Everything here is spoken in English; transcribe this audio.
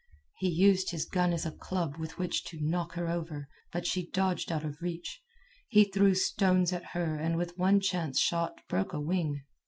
He used his gun as a club with which to knock her over, but she dodged out of reach. He threw stones at her and with one chance shot broke a wing.